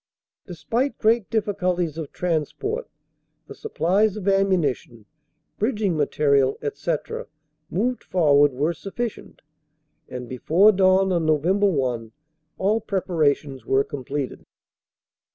"Despite great difficulties of transport, the supplies of ammunition, bridging material, etc., moved forward were sufficient, and before dawn on Nov. 1 all preparations were completed.